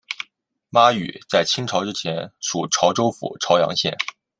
妈屿在清朝之前属潮州府潮阳县。